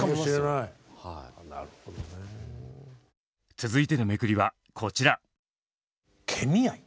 続いてのめくりはこちら。